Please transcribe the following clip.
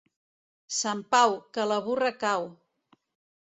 Sant Pau, que la burra cau.